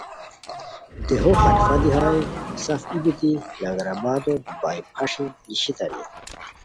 دیہو خلیفہ دی ہائے سف ای بیتی لنگر آبادو بائے پݰی نیشتانی